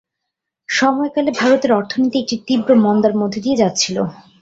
সময়কালে ভারতের অর্থনীতি একটি তীব্র মন্দার মধ্য দিয়ে যাচ্ছিল।